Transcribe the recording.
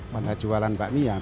pada jualan bakmi ya